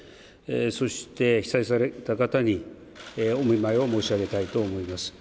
そして被災された方にお見舞いを申し上げたいと思います。